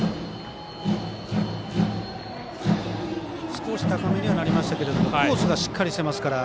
少し高めにはなりましたけどコースがしっかりしてますから。